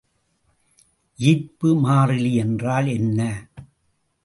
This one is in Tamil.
ஈர்ப்பு மாறிலி என்றால் என்ன?